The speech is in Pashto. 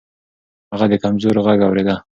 هغه د کمزورو غږ اورېده.